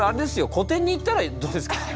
個展にいったらどうですか？